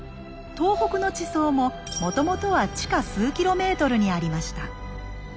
東北の地層ももともとは地下数キロメートルにありました。